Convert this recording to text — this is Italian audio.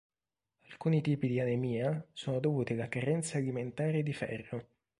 Alcuni tipi di anemia sono dovuti alla carenza alimentare di ferro.